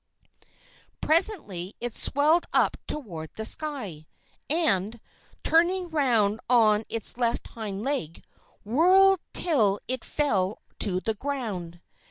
Presently it swelled up toward the sky, and, turning round on its left hind leg, whirled till it fell to the ground.